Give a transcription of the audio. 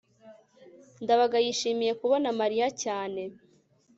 ndabaga yishimiye kubona mariya cyane